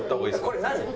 これ何？